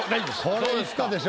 これいったでしょ。